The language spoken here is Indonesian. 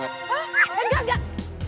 hah enggak enggak